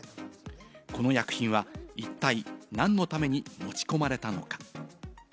この薬品は一体何のために持ち込まれたのか？